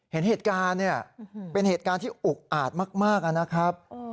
เห็นเหตุการณ์เนี่ยเป็นเหตุการณ์ที่อุกอาจมากนะครับ